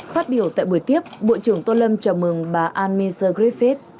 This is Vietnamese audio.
phát biểu tại buổi tiếp bộ trưởng tô lâm chào mừng bà anne mise griffith